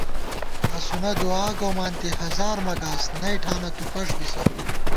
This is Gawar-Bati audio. اسُونہ دُعاگومانتی، ہزار مَہ گاس، نئ ٹھانہ تُو پݭ بِسہ